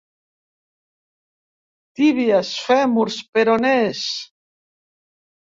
Tíbies, fèmurs, peronés...